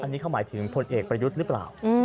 อันนี้เขาหมายถึงพลเอกประยุทธ์หรือเปล่า